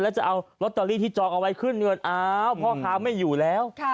แล้วจะเอาลอตเตอรี่ที่จองเอาไว้ขึ้นเงินอ้าวพ่อค้าไม่อยู่แล้ว